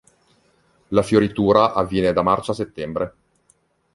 La fioritura avviene da marzo a settembre.